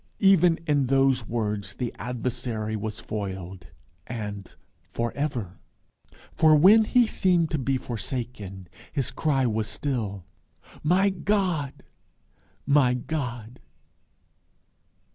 Even in those words the adversary was foiled and for ever. For when he seemed to be forsaken, his cry was still, "_My God! my God!